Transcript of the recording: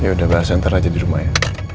yaudah bahas center aja di rumah ya